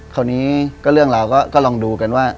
คราวนี้ก็เรื่องเราก็ลองดูกันว่า